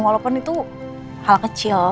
walaupun itu hal kecil